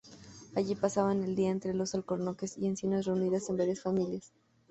Allí pasaban el día entre alcornoques y encinas reunidos en varias familias.